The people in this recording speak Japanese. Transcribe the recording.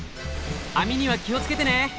網には気を付けてね。